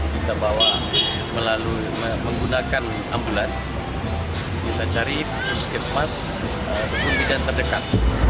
kita bawa melalui menggunakan ambulans kita cari puskesmas kebun bidan terdekat